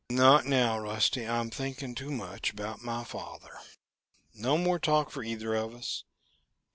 "Not now, Rusty. I'm thinking too much about my father. No more talk for either of us.